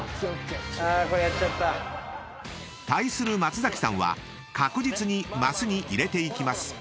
［対する松崎さんは確実にマスに入れていきます］